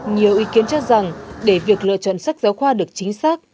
nhiều ý kiến cho rằng để việc lựa chọn sách giáo khoa được chính xác